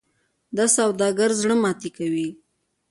دا سوداګر زړه ماتې کوي.